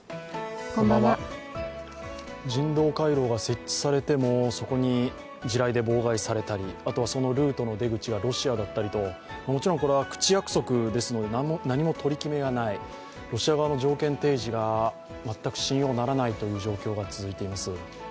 人道回廊が設置されても、そこに地雷で妨害されたりあとは、そのルートの出口がロシアだったりと、もちろん、これは口約束ですので、何も取り決めはないロシア側の条件提示が全く信用ならないという状況が続いています。